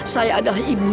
saya ada ibu